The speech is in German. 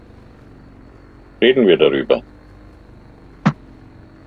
Reden wir darüber!